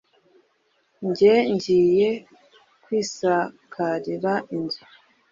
njye ngiye kwisakarira inzu.